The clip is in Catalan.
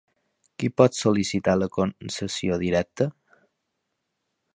Qui pot sol·licitar la concessió directa?